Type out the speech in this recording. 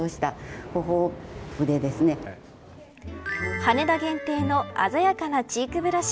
羽田限定の鮮やかなチークブラシ。